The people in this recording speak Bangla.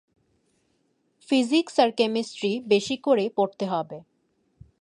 ফিজিক্স আর কেমিস্ট্রি বেশি করে পড়তে হবে।